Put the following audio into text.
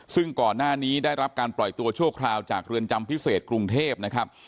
ซึ่งก่อนหน้านี้ได้รับการปล่อยตัวชั่วคราวจากเรือนจำพิเศษกรุงเทพนะครับ